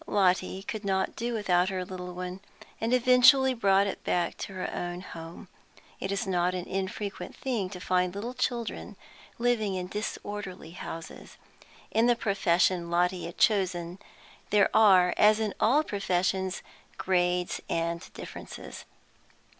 Lotty could not do without her little one, and eventually brought it back to her own home. It is not an infrequent thing to find little children living in disorderly houses. In the profession Lotty had chosen there are, as in all professions, grades and differences.